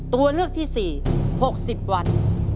ตัวเลือกที่๔๖๐วัน